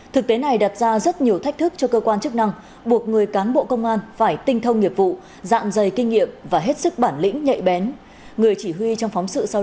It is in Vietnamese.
thực tế này đặt ra rất nhiều thách thức cho cơ quan chức năng buộc người cán bộ công an phải tinh thông nghiệp vụ dạng dày kinh nghiệm và hết sức bản lĩnh nhạy bén